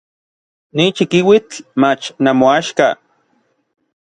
Ni chikiuitl mach namoaxka.